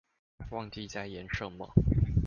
忘記在演什麼